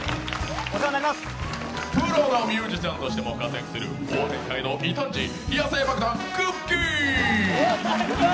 プロのミュージシャンとしても活躍するお笑い界の異端児、野性爆弾・くっきー！